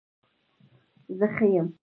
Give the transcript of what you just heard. زه ښه يم